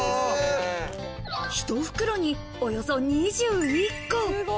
一袋におよそ２１個。